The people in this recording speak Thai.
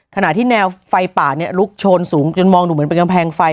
ขณะที่แนวไฟป่าเนี่ยลุกโชนสูงจนมองดูเหมือนเป็นกำแพงไฟ